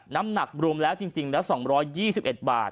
น้ำหนักบรูมแล้วจริงจริงแล้วสองร้อยยี่สิบเอ็ดบาท